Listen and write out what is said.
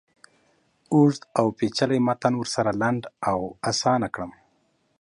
اوږد اوپیچلی متن ورسره لنډ او آسانه کړم.